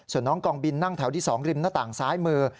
ส่วนน้องกองบินนั่งแถวที่๒ริมหน้าต่างซ้ายมือ